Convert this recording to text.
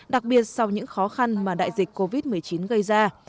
đặc biệt sau những khó khăn mà đại dịch covid một mươi chín gây ra